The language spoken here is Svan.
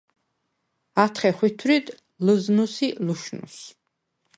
ათხე ხვითვრიდ ლჷზნუს ი ლუშნუს.